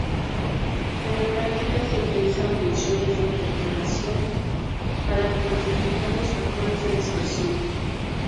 En la práctica, se utilizan funciones de interpolación para cuantificar los factores de dispersión.